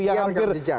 itu yang agak jejak